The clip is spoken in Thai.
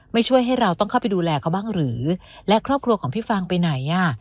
ช่วยให้เราต้องเข้าไปดูแลเขาบ้างหรือและครอบครัวของพี่ฟางไปไหนอ่ะ